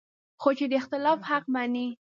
خو چې د اختلاف حق مني